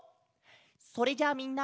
それじゃあみんな。